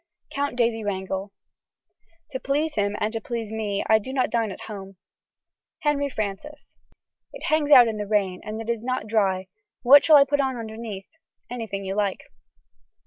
(Count Daisy Wrangel.) To please him and to please me I do not dine at home. (Harry Francis.) It hangs out in the rain and it is not dry what shall I put on underneath. Anything you like.